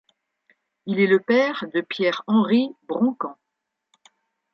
Il est le père de Pierre-Henry Broncan.